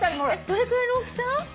どれくらいの大きさ？